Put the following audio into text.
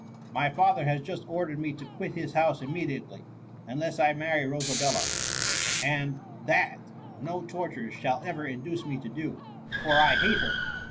^^ My father has just ordered me to quit his house immediately, unless I marry Rosabella ; and that no tortures shall ever induce me to do— for I hate her